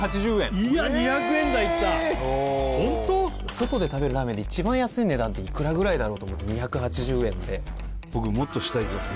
外で食べるラーメンで一番安い値段っていくらぐらいだろうと思って２８０円で僕もっと下いきます